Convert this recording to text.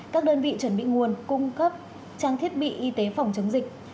các đơn vị chuẩn bị nguồn cung cấp trang thiết bị y tế phòng chống dịch